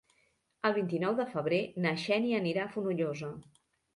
El vint-i-nou de febrer na Xènia anirà a Fonollosa.